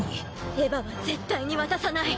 エヴァは絶対に渡さない！